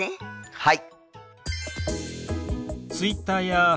はい。